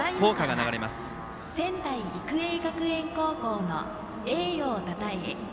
ただいまから仙台育英学園高校の栄誉をたたえ